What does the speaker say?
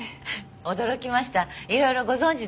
驚きましたいろいろご存じなので。